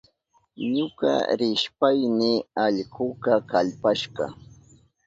Ñuka rishpayni allkuka kallpashka.